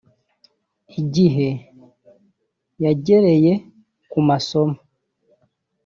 igihe yagereye ku masomo